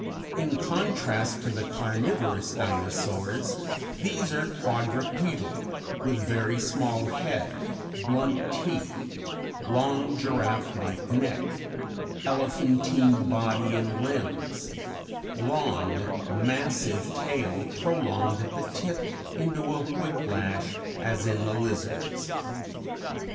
In contrast to the carnivorous dinosaurs these are quadrupedal, with very small head, blunt teeth, long giraffe like neck, elephantine body and limbs, long massive tail prolonged at the tip into a whip lash as in the lizards.